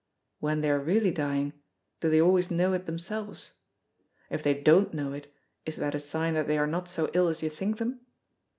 when they are really dying do they always know it themselves? If they don't know it, is that a sign that they are not so ill as you think them?